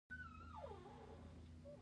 د فعالیتونو پلانول هم د ادارې دنده ده.